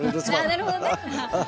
なるほどね。